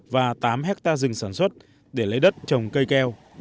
và tám hectare rừng sản xuất để lấy đất trồng cây keo